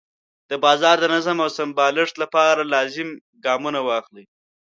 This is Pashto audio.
د بازار د نظم او سمبالښت لپاره لازم ګامونه واخلي.